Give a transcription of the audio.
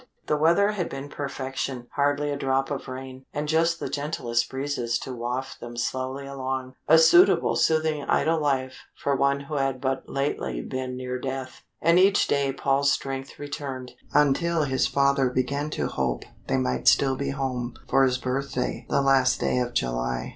The weather had been perfection, hardly a drop of rain, and just the gentlest breezes to waft them slowly along. A suitable soothing idle life for one who had but lately been near death. And each day Paul's strength returned, until his father began to hope they might still be home for his birthday the last day of July.